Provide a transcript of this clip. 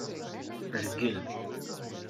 Rgel.